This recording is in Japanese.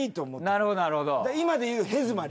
なるほどなるほど。